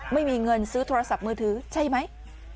ไม่มีเงินซื้อโทรศัพท์มือถือใช่ไหม